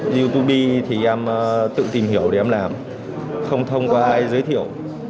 youtube thì em tự tìm hiểu để em làm không thông qua ai giới thiệu